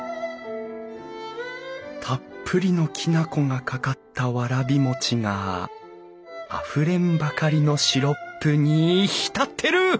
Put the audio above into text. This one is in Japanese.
たっぷりのきな粉がかかったわらび餅があふれんばかりのシロップに浸ってる！